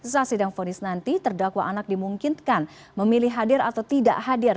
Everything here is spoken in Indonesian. saat sidang fonis nanti terdakwa anak dimungkinkan memilih hadir atau tidak hadir